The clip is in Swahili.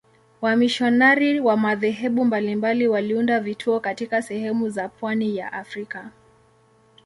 Wamisionari wa madhehebu mbalimbali waliunda vituo katika sehemu za pwani ya Afrika.